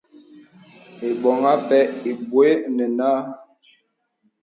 Ìbəŋ ǎ pɛ ibwə̄ nə nǎ.